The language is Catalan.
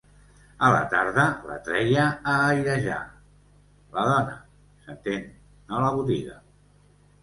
A la tarda la treia a airejar, la dona, s'entén, no la botiga